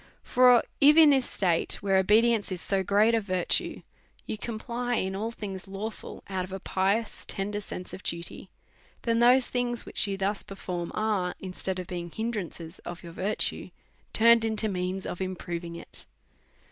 For, if, in this state, where obedience is so great a, virtue, you comply in all things lawful, out of a pi ous tender sense of duty, then tliose things which you thus perform, are, instead of being hindrances of your virtue, turned into means of improving' it.